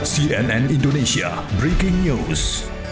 cnn indonesia breaking news